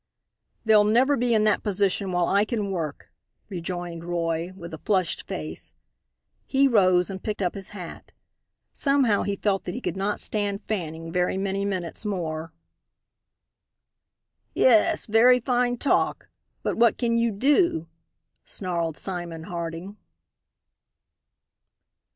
"They'll never be in that position while I can work," rejoined Roy, with a flushed face. He rose and picked up his hat. Somehow he felt that he could not stand Fanning very many minutes more. "Yes, very fine talk, but what can you do?" snarled Simon Harding.